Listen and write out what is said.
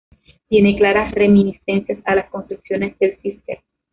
Tiene claras reminiscencias a las construcciones del Císter.